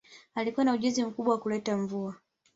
Alikuwa na ujuzi mkubwa wa kuleta mvua